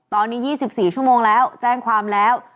ตอนนี้๒๔ชั่วโมงแล้วแจ้งความแล้ว